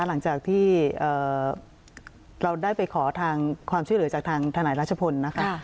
หลังจากที่เราได้ไปขอทางความช่วยเหลือจากทางทนายรัชพลนะคะ